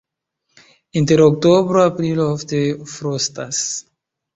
Inter oktobro-aprilo ofte frostas.